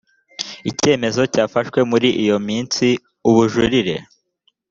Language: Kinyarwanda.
icyemezo cyafashwe muri iyo minsi ubujurire